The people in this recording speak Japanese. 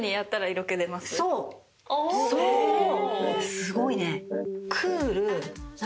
すごいね。